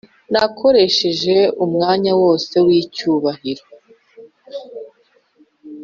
nakoresheje umwanya wose wicyubahiro